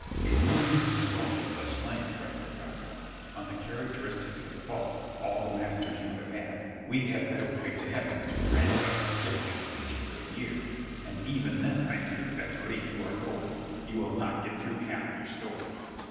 If you mean to dwell at such length, friend Berganza, on the characteristics and faults of all the masters you have had, we had better pray to heaven to grant us the gift of speech for a year; and even then I fear, at the rate you are going, you will not get through half your story.